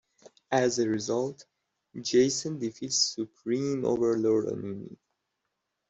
As a result, Jacen defeats Supreme Overlord Onimi.